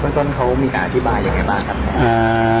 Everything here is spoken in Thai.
คุณต้นเขามีค่าอธิบายยังไงบ้างครับ